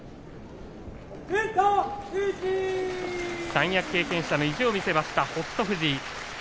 三役経験者の意地を見せました北勝富士。